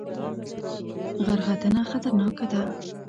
غرختنه خطرناکه ده؟